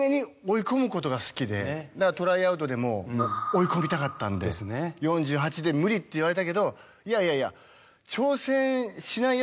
だからトライアウトでも追い込みたかったんで４８で無理って言われたけどいやいやいや。